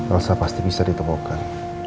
elsa pasti bisa ditemukan